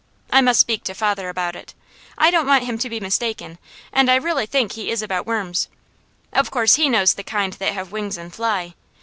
I must speak to father about it. I don't want him to be mistaken; and I really think he is about worms. Of course he knows the kind that have wings and fly.